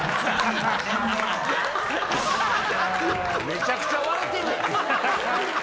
めちゃくちゃ笑てるやん！